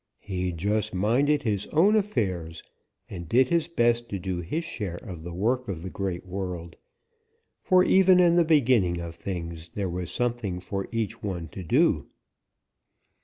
He just minded his own affairs and did his best to do his share of the work of the Great World, for even in the beginning of things there was something for each one to do.